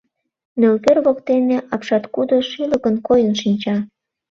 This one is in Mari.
Нӧлпер воктене апшаткудо шӱлыкын койын шинча.